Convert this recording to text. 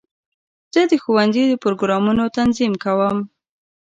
زه د ښوونځي د پروګرامونو تنظیم کوم.